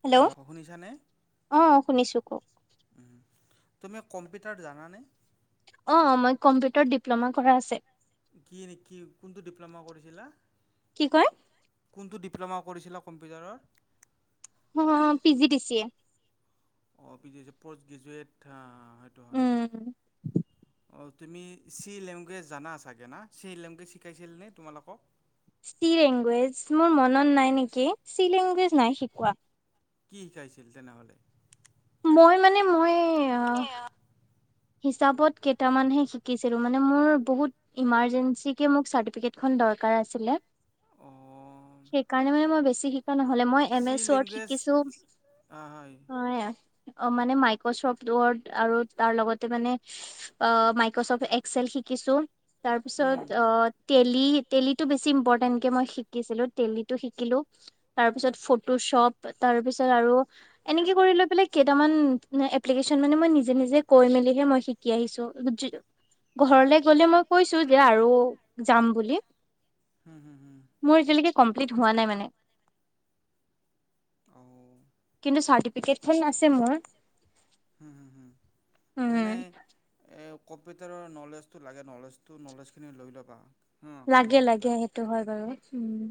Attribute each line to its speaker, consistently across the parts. Speaker 1: Hello অ শুনিছোঁ কওক
Speaker 2: তুমি কম্পিউটাৰ জানানে
Speaker 1: অ মই কম্পিউটাৰত ডিপ্ল'মা কৰা আছে।
Speaker 2: কি নে কি কোনটো ডিপ্ল'মা কৰিছিলা
Speaker 1: কি কয়
Speaker 2: ডিপ্ল'মা কৰিছিলা কম্পিউটাৰৰ ত
Speaker 1: অ P G T C A
Speaker 2: অ পোষ্ট গেজুৱেট অ অ সেইটো হয় তুমি চি লেংগুৱেজ জানা চাগে না চি লেংগুৱেজ শিকাইছিল নে তোমালোকক
Speaker 1: চি লেংগুৱেজ মোৰ মনত নাই নেকি চি লেংগুৱেজ নাই শিকোৱা
Speaker 2: কি শিকাইছিল তেনেহলে
Speaker 1: মই মানে মই হিচাপত কেইটামান হে শিকিছিলো মানে মোৰ বহুত ইমাৰজেন্চি কে মোক চাৰ্থী ফিকেট খন দৰকাৰ আছিলে সেইকাৰে মানে মই বেছিকৈ ত নহলে মই এম এচ ৱৰ্ড শিকিছো হয় অ মানে মাইক্ৰচফ্ট ৱৰ্ড আৰু তাৰ লগত ত মানে অ মাইক্ৰচফ্ট এক্সেল শিকিছো, তাৰপিছত অ তেল ি তেলিো বেছি ইম্পৰটেন্ট কেে মই শিকিছিলো তেটলি ো শিকিলো তাৰপিছত ফটো শ্বপ তাৰ পিছত আৰু এনেকে কৰি লৈ পেলায় কেইটামান এপ্লিকেচন মানে মই নিজে নিজে কৈ মেলি এে মই শিকি আহিছো [inaudible] ঘৰলে গলে মই কৈছো যে আৰু যাম বুলি
Speaker 2: হম হম হম
Speaker 1: কম্পিলিট হোৱা নাই মানে কিন্তু চাৰ্থী ফিকেট খন কেখনখন আছে মোৰ [inaudible]
Speaker 2: হম হম হম মানে এ কম্পিউটাৰৰ নলেজটো লাগে নলেজটো নলেজখিনি লৈ ল'বা
Speaker 1: লাগে লাগে সেইটো হয় বাৰু উম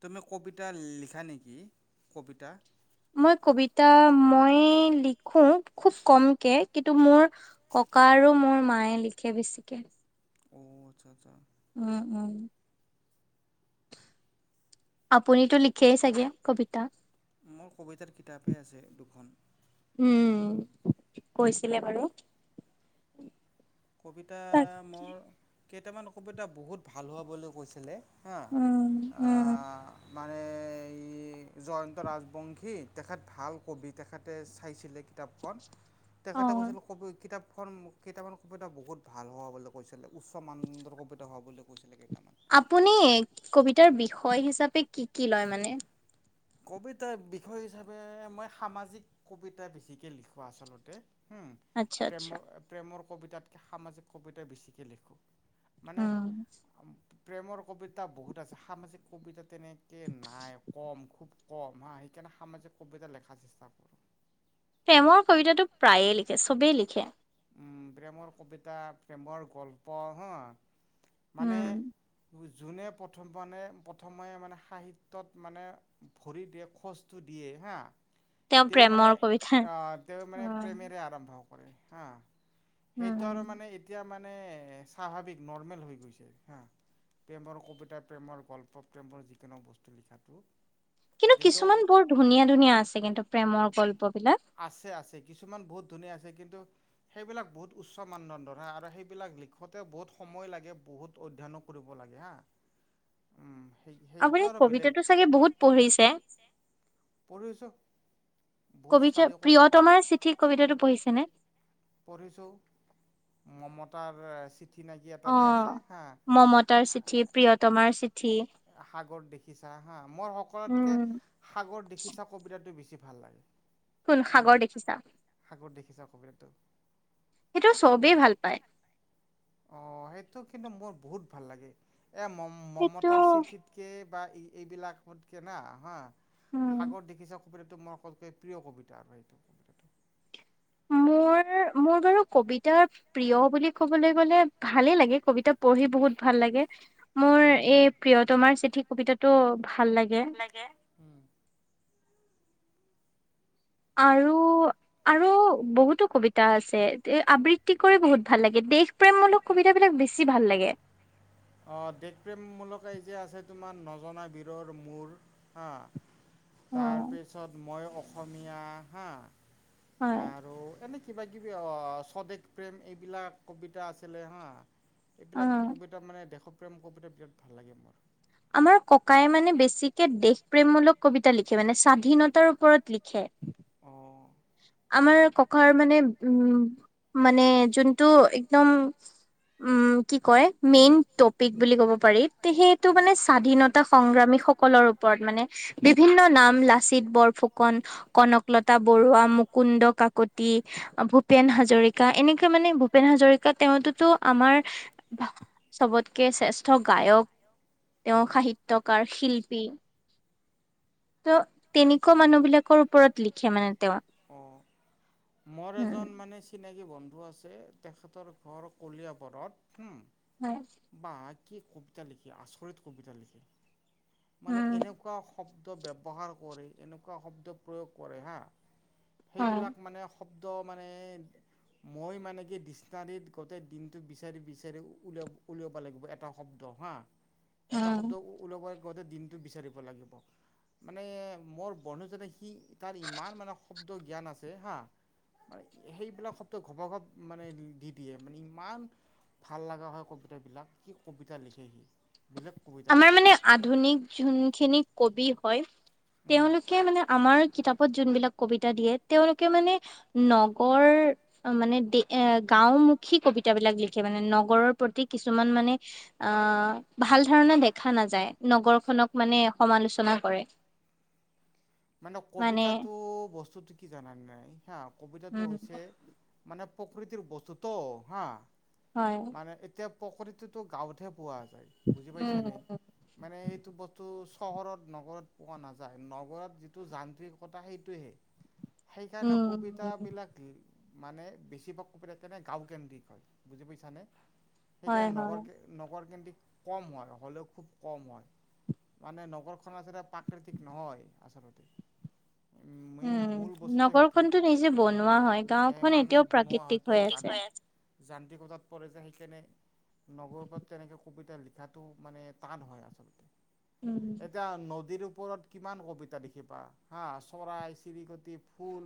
Speaker 2: তুমি কবিতা লিখা নেকি কবিতা?
Speaker 1: মই কবিতা মই লিখো খুব কমকে কিন্তু মোৰ ক ককা আৰু মোৰ মায়ে লিখে বেছি কে
Speaker 2: অ আচ্ছা আচ্ছা [inaudible]
Speaker 1: উম উম আপুনি টো লিখেই চাগে কবিতা
Speaker 2: মোৰ কবিতাৰ কিতাপেই আছে দুখন
Speaker 1: কৈছিলে বাৰু।
Speaker 2: কবিতা মোৰ কেইটামান কবিতা বহুত ভাল হোৱা বুলি কৈছিলে হা, আ মানে এই জয়ন্ত ৰাজবংশী তেখেত ভাল কবি তেখেতে চাইছিলে কিতাপখন, তেখেতে কৈছিল কবি কিতাপখন কিতাপ কবিতা বহুত ভাল হোৱা বুলি কৈছিলে উচ্চ মান দন্দৰ কবিতা হোৱা বুলি কৈছিলে কেইটা
Speaker 1: আপুনি কবিতাৰ বিষয় হিচাপে কি কি লয় মানে
Speaker 2: কবিতাৰ বিষয় হিচাপে মই সামাজিক কবিতা বেছিকে লিখো আচলতে। হম, প্ৰেমৰ প্ৰেমৰ কবিতাতকে সামাজিক কবিতা বেছিকে লিখো।
Speaker 1: উম।
Speaker 2: প্ৰেমৰ কবিতা বহুত আছে, সামাজিক কবিতা তেনেকে নাই কম খুব কম হা, সেইকাৰণে সামাজিক কবিতা লিখা চেষ্টা কৰো।
Speaker 1: প্ৰেমৰ কবিতাটো প্ৰায়ে লিখে চবেই লিখে
Speaker 2: উম প্ৰেমৰ কবিতা প্ৰেমৰ গল্প হা মানে। যোনে প্ৰথম মানে প্ৰথমে মানে সাহিত্যত মানে ভৰি দিয়ে খোজটো দিয়ে। হা তেওঁ মানে অ তেওঁ মানে প্ৰেমেৰে আৰম্ভ হ হা সেইটো আৰু মানে এতিয়া মানে মানে স্বাভাৱিক নৰ্মেল হৈ গৈছে উম। প্ৰেমৰ কবিতা প্ৰেমৰ গল্প প্ৰেমৰ যিকোনো বস্তু লিখাতটো
Speaker 1: কিন্তু কিছুমান বৰ ধুনীয়া- ধুনীয়া আছে কিন্তু প্ৰেমৰ গল্প।
Speaker 2: আছে-আছে কিছুমান বহুত ধুনীয়া আছে কিন্তু সেইবিলাক বহুত উচ্চ মানদণ্ডৰ হয় আৰু সেইবিলাক লিখোঁতে বহুত সময় লাগে বহুত অধ্যয়নো কৰিব লাগে। হা।
Speaker 1: আপুনি কবিতাটো চাগে বহুত পঢ়িছে।
Speaker 2: পঢ়িছোঁ [unintelligible]
Speaker 1: প্ৰিয়তমাৰ চিঠি কবিতাটো পঢ়িছেনে।
Speaker 2: পঢ়িছো মমতাৰ
Speaker 1: অ' মমতাৰ চিঠি, প্ৰিয়তমাৰ চিঠ
Speaker 2: সাগৰ দেখিছা হা মই সকলোতকে সাগৰ দেখিছা কবিতাটো বেছি ভাল লাগে, উম সাগৰ দেখিছা কবিতাটো।
Speaker 1: সেইটো চবেই ভাল পায়।
Speaker 2: অ' সেইটো কিন্তু মোৰ বহুত ভাল লাগে, এ মম মমতাৰ চিঠিতকে বা এইবিলাকতকে না হা সাগৰ দেখিছা কবিতাটো মোৰ [unintelligible] কৈ প্ৰিয় কবিতা।
Speaker 1: মোৰ মোৰ বাৰু কবিতাৰ প্ৰিয় বুলি কবলৈ গলে ভালে লাগে কবিতা পঢ়ি বহুত ভাল লাগে মোৰ এই প্ৰিয়তমাৰ চিঠি কবিতাটো ভাল লাগে। আৰু-আৰু বহুতো কবিতা আছে আবৃত্তি কৰি বহুত ভাল লাগে। দেশপ্ৰেমমূলক কবিতাবিলাক বেছি ভাল লাগে।
Speaker 2: অঁ দেশপ্ৰেমমূলক যে আছে তোমাৰ নজনা বীৰৰ মৰ হা তাৰপিছত মই অসমীয়া হা আৰু এনে কিবা কিবি অ' স্বদেশ প্ৰেম এইবিলাক কবিতা আছিলে হা। এইবিলাক কবিতা মানে দেশপ্ৰেম কবিতা বিৰাট ভাল লাগে মোৰ।
Speaker 1: আমাৰ ককাই মানে বেছিকে দেশ প্ৰেম মূলক কবিতা লিখে মানে স্বাধীনতাৰ ওপৰত লিখে। আমাৰ ককাৰ মানে উম মানে যোনটো একদম উম, কি কয় মেইন টপিক বুলি ক'ব পাৰি তে সেইটো মানে স্বাধীনতা সংগ্ৰামী সকলৰ ওপৰত মানে বিভিন্ন নাম লাচিত বৰফুকন, কনক লতা মুকুন্দ কাকতি, ভূপেন হাজৰিকা এনেকে মানে ভূপেন হাজৰিকা তেওঁতোতো আমাৰ চবতকে শ্ৰেষ্ঠ গায়ক। তেওঁ সাহিত্যকাৰ শিল্পী। ত ' তেনেকুৱা মানুহ বিলাকৰ ওপৰত লিখে মানে তেওঁ, হম।
Speaker 2: কি বন্ধু আছে তেখেতৰ ঘৰ কলিয়াবৰত।
Speaker 1: হয়।
Speaker 2: কি কবিতা লিখে, আচৰিত কবিতা লিখে মানে এনেকুৱা শব্দ ব্যৱহাৰ কৰে এনেকুৱা শব্দ প্ৰয়োগ কৰে হা, সেইবিলাক মানে শব্দ মানে মই মানে কি দিচণাৰিত গোটে দিনটো বিচাৰি- বিচাৰি উলি উলিয়াব লাগিব এটা শব্দ হা এটা শব্দ ওলাব গতে দিনটো বিচাৰিব লাগিব মানে। মোৰ বন্ধুজনে সি তাৰ ইমান মানে শব্দ জ্ঞান আছে হা। মানে সেইবিলাক শব্দ ঘবঘপ মানে দি দিয়ে মানে ইমান ভাল লগা হয় কবিতাবিলাক কি কবিতা লিখে
Speaker 1: আমাৰ মানে আধুনিক যোনখিনি কবি হয় তেওঁলোকে মানে আমাৰ কিতাপ যোনবিলাক কবিতা দিয়ে তেওঁলোকে মানে নগৰ মানে এ গাঁও গাওঁ মূখী কবিতাবিলাক লিখে মানে নগৰ প্ৰতি কিছুমান মানে আ ভাল ধাৰণা দেখা নাযায় নগৰ খনক মানে সমালোচনা কৰে
Speaker 2: মানে কবিতাটো বস্তুটো কি জানা নাই হা কবিতাটো হৈছে মানে প্ৰকৃতিৰ বস্তুতটো হা মানে এতিয়া প্ৰকৃতিতো গাঁৱতহে পোৱা যায় বুজি পাইছা নে মানে সেইটো বস্তু চহৰত নগৰত পোৱা নাযায় নগৰত যিটো যান্ত্ৰিকতা সেইটোহে সেইকাৰণে কবিতাবিলাক মানে বেছিভাগ কবিতাক তেনে গাঁও কেন্দ্ৰিক হয় বুজি পাইছা নে? সেইকাৰণে নগৰ নগৰ কেন্দ্ৰি কম হয় হলেও খুব কম হয় মানে নগৰখন আচলতে প্ৰাকৃতিক নহয় আচলতে
Speaker 1: উম নগৰখনতো নিজে বনোৱা হয় গাঁওখন এতিয়াও প্ৰাকৃতিক হৈ আছে
Speaker 2: যান্ত্ৰিকতাত পৰে যে সেইকাৰণে নগৰবোৰত তেনেকে কবিতা লিখাটো মানে টান হয় আচলতে। এতিয়া নদীৰ ওপৰত কিমান কবিতা লিখ কিপা হা চৰাই চিৰিকটি ফুল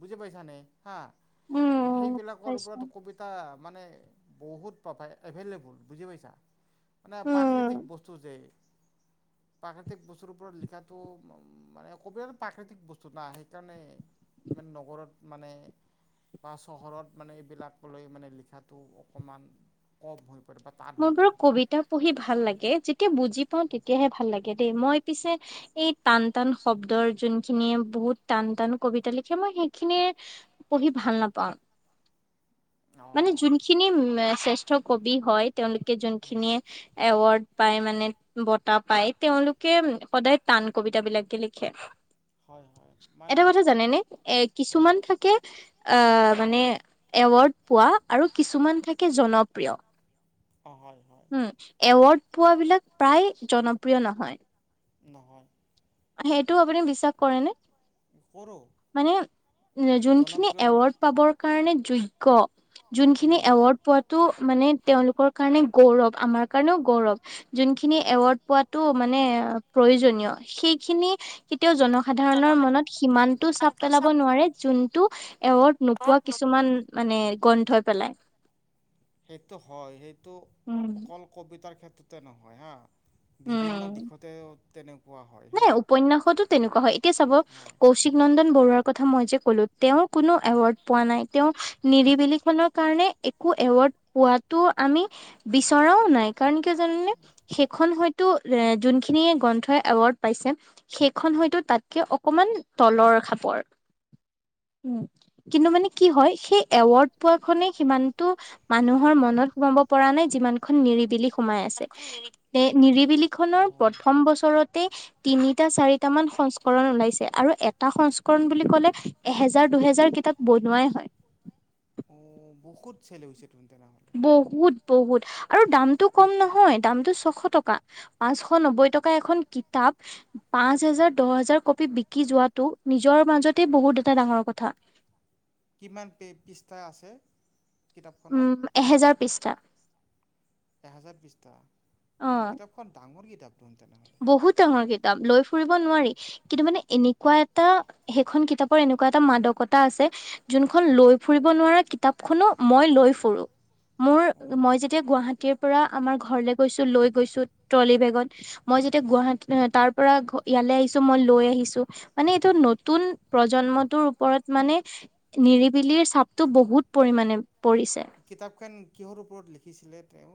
Speaker 2: বুজি পাইছানে? হা সেইবিলাকৰ ওপৰত কবিতা মানে বহুত পাবা এভেইলেবোল বুজি পাইছা? মানে প্ৰাকৃতিক বস্তু যে, প্ৰাকৃতিক বস্তুৰ ওপৰত লিখাটো মানে কবিতাটো প্ৰাকৃতিক বস্তু না সেইকাৰণে মানে নগৰত মানে বা চহৰত মানে এইবিলাক লৈ মানে লিখাটো অকমান কম হয়।
Speaker 1: মই বাৰু কবিতা পঢ়ি ভাল লাগে যেতিয়া বুজি পাওঁ তেতিয়াহে ভাল লাগে দেই মই পিছে এই টান টান শব্দৰ যোনখিনি বহুত টান টান কবিতা লিখে মই সেইখিনিয়ে পঢ়ি ভাল নাপাওঁ। মানে যোনখিনি উ শ্ৰেষ্ঠ কবি হয় তেওঁলোকে যোনখিনিয়ে এৱাৰড পাই মানে বঁটা পাই তেওঁলোকে সদায় টান কবিতাবিলাকে লিখে।
Speaker 2: হয় হয়
Speaker 1: এটা কথা জানেনে, এ কিছুমান থাকে আহ মানে এৱাৰড পোৱা আৰু কিছুমান থাকে জনপ্ৰিয়। উম, এৱাৰ্ড পোৱাবিলাক প্ৰায় জনপ্ৰিয় নহয়।
Speaker 2: নহয়।
Speaker 1: সেইটোও আপুনি বিশ্বাস কৰেনে? মানে যোনখিনি এৱাৰ্ড পাবৰ কাৰণে যোগ্য যোনখিনি এৱাৰ্ড পোৱাতো মানে মানে তেওঁলোকৰ কাৰণে গৌৰৱ আমাৰ কাৰণেও গৌৰৱ যোনখিনি এৱাৰড পোৱাটো মানে প্ৰয়োজনীয় সেই খিনি কেতিয়াও জনসাধাৰণৰ মনত সিমানটো চাপ পেলাব নোৱাৰে যোনটো এৱাৰ্ড নোপোৱা কিছুমান মানে গ্ৰন্থই পেলাই।
Speaker 2: সেইটো হয় সেইটো অকল কবিতাৰ ক্ষেত্ৰতে নহয় হা বিভিন্ন দিশতে তেনেক
Speaker 1: নাই উপন্যাসতো তেনেকোৱা হয় এতিয়া চাব, কৌশিক নন্দন বৰুৱাৰ কথা মই যে ক'লো, তেওঁ কোনো এৱাৰ্ড পোৱা নাই তেওঁ নিৰিবিলিখনৰ কাৰণে একো এৱাৰ্ড পোৱাত টো, আমি বিচৰাও নাই কাৰণ কিয় জানানে, সেইখন হয়তো এ যোনখিনিয়ে গ্ৰন্থই এৱাৰ্ড পাইছে, সেইখন হয়তো তাতকে অকমান তলৰ খাপৰ। [inaudible] উম, কিন্তু মানে কি হয় সেই এৱাৰ্ড পোৱাখনে সিমানটো মানুহৰ মনত সোমাব পৰা নাই যিমানখন নিৰিবিলি সোমাই আছে, সে নিৰিবিলি খনৰ প্ৰথম বছৰতে তিনিটা, চাৰিটা মান সংস্কৰণ ওলাইছে আৰু এটা সংস্কৰণ বুলি ক'লে, এহেজাৰ দুহেজাৰ তাত বনোৱাই হয়।
Speaker 2: বহুত [unintelligible]
Speaker 1: বহুত, বহুত আৰু দামটো কম নহয়, দামটো ছশ টকা পাঁচশ নব্বৈ টকা এখন কিতাপ, পাঁচ হাজাৰ, দহ হাজাৰ কপি বিকি যোৱাটো নিজৰ মাজতে ব বহুত এটা ডাঙৰ কথা।
Speaker 2: কিমান পেই পিষ্টা আছে?
Speaker 1: উম, এহেজাৰ পৃষ্ঠা।
Speaker 2: এহেজাৰ পৃষ্ঠা। উম, কিতাপখন ডাঙৰ কিতাপ।
Speaker 1: বহুত ডাঙৰ কিতাপ, লৈ ফুৰিব নোৱাৰি। কিন্তু মানে এনেকুৱা এটা সেইখন কিতাপৰ এনেকুৱা এটা মাদকতা আছে, যোনখন লৈ ফুৰিব নোৱাৰা কিতাপখনো মই লৈ ফুৰোঁ। মোৰ মই যেতিয়া গুৱাহাটীৰ পৰা আমাৰ ঘৰলে গৈছোঁ লৈ গৈছোঁ ট্ৰলি বেগত মই যেতিয়া গুৱাহাটী তাৰ পৰা ইয়ালে আহিছোঁ। মই লৈ আহিছোঁ মানে এইটো নতুন প্ৰজন্মৰ মটোৰ ওপৰত মানে নিৰিবিলিৰ চাপটো বহুত পৰিমাণে।
Speaker 2: কিতাপখন কিহৰ ওপৰত লিখিছিলে তেওঁ।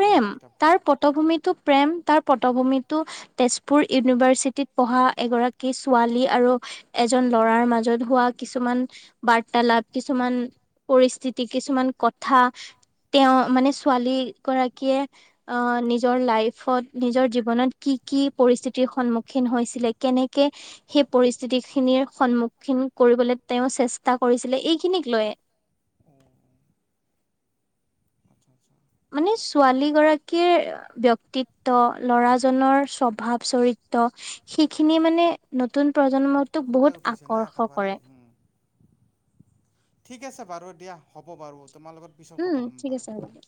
Speaker 1: প্ৰেম, তাৰ পটভূমিতটো প্ৰেম। তাৰ পটভূমিতো তেজপুৰ ইউনিভাৰ্চিটিত পঢ়া এগৰাকী ছোৱালী আৰু এজন ল'ৰাৰ মাজত হোৱা কিছুমান বাৰ্তালাপ, কিছুমান পৰিস্থিতি, কিছুমান কথা তেওঁ মানে ছোৱালী গৰাকীয়ে অ' নিজৰ লাইফত নিজৰ জীৱনত কি কি পৰিস্থিতিৰ সন্মুখীন হৈছিলে, কেনেকে সেই পৰিস্থিতি খিনিৰ সন্মুখীন কৰিবলে তেওঁ চেষ্টা কৰিছি লে এইখিনিক লৈয়ে। মানে ছোৱালীগৰাকীৰ ব্যক্তিত্ব, ল'ৰাজনৰ স্বভাৱ চৰিত্ৰ ত সেইখিনি মানে নতুন প্ৰজন্মত টোক বহুত আকৰ্ষ কৰে।
Speaker 2: ঠিক আছে বাৰু দিয়া হ'ব বাৰু। তোমাৰ লগত পিছত কথা হ'ম বাৰু দিয়া।